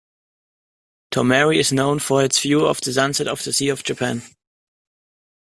Tomari is known for its view of the sunset on the Sea of Japan.